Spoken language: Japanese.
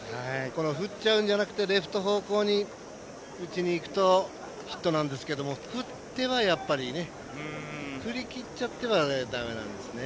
振っちゃうんじゃなくてレフト方向に打ちにいくとヒットなんですけど振りきっちゃってはだめなんですよね。